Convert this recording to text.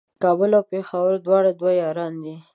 کابل او پېښور دواړه دوه یاران دي